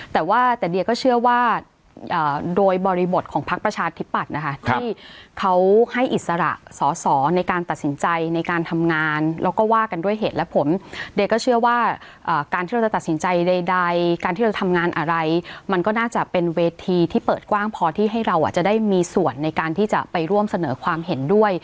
แต่ว่าแต่เดียก็เชื่อว่าโดยบริบทของพักประชาธิปัตย์นะคะที่เขาให้อิสระสอสอในการตัดสินใจในการทำงานแล้วก็ว่ากันด้วยเหตุและผลเดียก็เชื่อว่าการที่เราจะตัดสินใจใดการที่เราทำงานอะไรมันก็น่าจะเป็นเวทีที่เปิดกว้างพอที่ให้เราจะได้มีส่วนในการที่จะไปร่วมเสนอความเห็นด้วย